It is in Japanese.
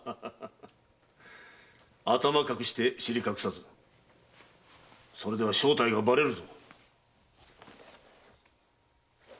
頭隠して尻隠さずそれでは正体がバレるぞ。